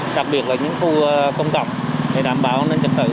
đặc biệt là những khu công cộng để đảm bảo an ninh trật tự